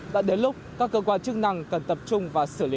đã đến lúc các cơ quan chức năng cần tập trung và xử lý